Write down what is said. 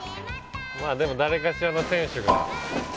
まぁでも誰かしらの選手が。